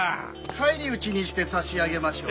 返り討ちにして差し上げましょう。